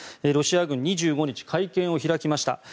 ロシア軍は２５日会見を開きました。